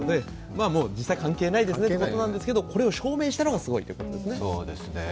まあもう実際、関係ないですねということなんですけどこれを証明したのがすごいということですね。